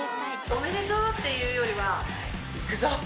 おめでとうっていうよりは、行くぞ！